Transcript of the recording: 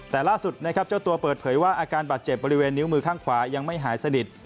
แต่ล่าสุดนะครับเจ้าตัวเปิดเผยว่าอาการบาดเจ็บบริเวณนิ้วมือข้างขวายังไม่หายสนิท